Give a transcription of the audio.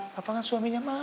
papa kan suaminya mama